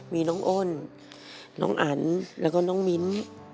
มีน้องอ้นน้องอันแล้วก็น้องมิ้น